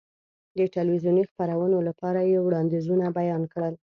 د تلویزیوني خپرونو لپاره یې وړاندیزونه بیان کړل.